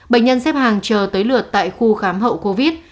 bệnh nhân xếp hàng chờ tới lượt tại khu khám hậu covid